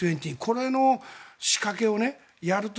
これの仕掛けをやると。